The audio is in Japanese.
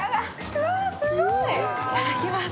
いただきます。